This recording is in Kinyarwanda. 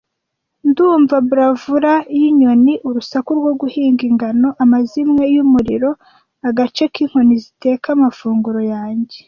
Ndumva bravura yinyoni, urusaku rwo guhinga ingano, amazimwe yumuriro, agace kinkoni ziteka amafunguro yanjye,